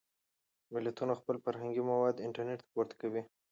ملتونه خپل فرهنګي مواد انټرنټ ته پورته کوي.